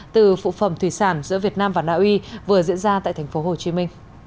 từ phụ phẩm thủy sản giữa việt nam và naui vừa diễn ra tại tp hcm